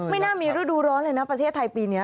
น่ามีฤดูร้อนเลยนะประเทศไทยปีนี้